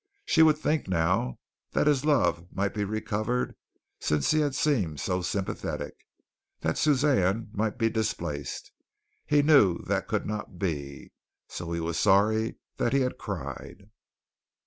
She would think now that his love might be recovered since he had seemed so sympathetic; that Suzanne might be displaced. He knew that could not be, and so he was sorry that he had cried.